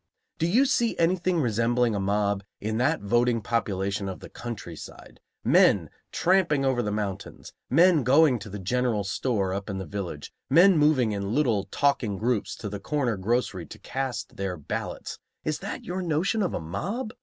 Do you see anything resembling a mob in that voting population of the countryside, men tramping over the mountains, men going to the general store up in the village, men moving in little talking groups to the corner grocery to cast their ballots, is that your notion of a mob?